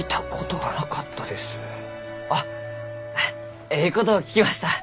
あっえいことを聞きました。